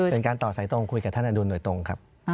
เป็นการต่อสายตรงคุยกับท่านอดุลโดยตรงครับ